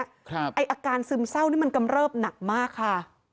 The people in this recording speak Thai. ไอ้อาการซึมเศร้านี่มันกำเริบหนักมากค่ะ